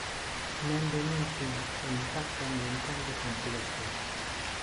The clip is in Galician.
Non denuncia o impacto ambiental do complexo.